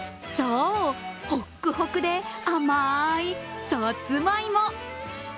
そう、ホックホクで甘いさつまいも。